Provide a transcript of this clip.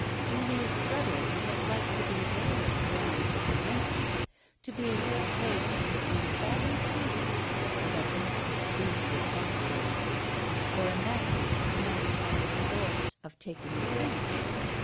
Julia's brother would have liked to be aware of grounds of resentment, to be able to hold she had been badly treated or that Nick was basely fatuous, for in that case he might have had the resource of taking offence.